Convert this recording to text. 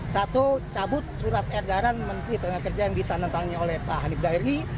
satu cabut surat edaran menteri tenaga kerja yang ditandatangani oleh pak hanif daeri